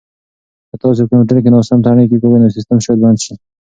که تاسي په کمپیوټر کې ناسم تڼۍ کېکاږئ نو سیسټم شاید بند شي.